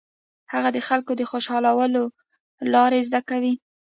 هغه د خلکو د خوشالولو لارې زده کوي.